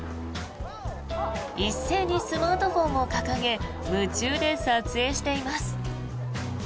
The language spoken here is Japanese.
一斉にスマートフォンを掲げ夢中で撮影しています。